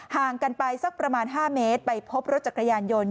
ห่างกันไปสักประมาณ๕เมตรไปพบรถจักรยานยนต์